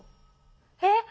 えっ？